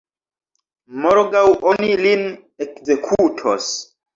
Morgaŭ oni lin ekzekutos.